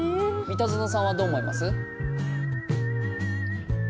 三田園さんはどう思います？